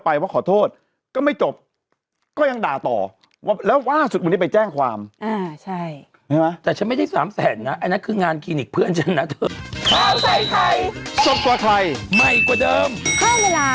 เผาไทยไทยสดกว่าไทยใหม่กว่าเดิมเพิ่มเวลา